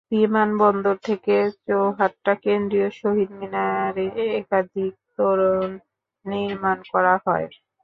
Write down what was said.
বিমানবন্দর থেকে চৌহাট্টা কেন্দ্রীয় শহীদ মিনারে একাধিক তোরণ নির্মাণ করা হয়।